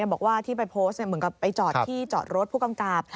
บอกว่าที่ไปโพสต์เหมือนกับไปจอดที่จอดรถผู้กำกับ